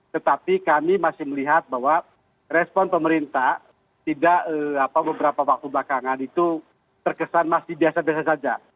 tetapi kami masih melihat bahwa respon pemerintah tidak beberapa waktu belakangan itu terkesan masih biasa biasa saja